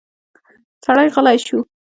سړی غلی شو.